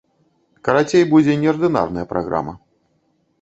Карацей, будзе неардынарная праграма.